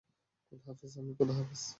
খোদা হাফেজ আম্মি, খোদা হাফেজ।